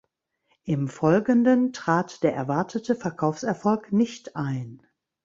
Im Folgenden trat der erwartete Verkaufserfolg nicht ein.